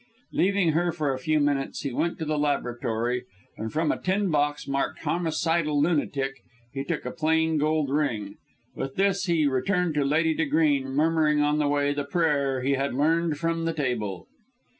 Leaving her for a few minutes, he went to the laboratory, and from a tin box marked homicidal lunatic, he took a plain, gold ring. With this he returned to Lady De Greene, murmuring on the way the prayer he had learned from the table.